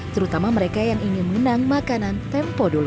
terutama mereka yang ingin mengenang makanan tempo dulu